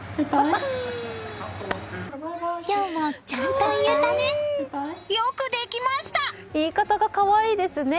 今日もちゃんと言えたね。